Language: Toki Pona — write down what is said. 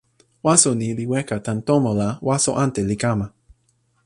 waso ni li weka tan tomo la waso ante li kama.